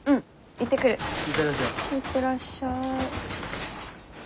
行ってらっしゃい。